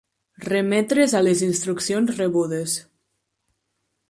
Remetre's a les instruccions rebudes.